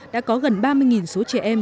đã có gần ba mươi số trẻ em